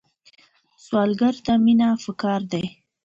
سوالګر ته مینه پکار ده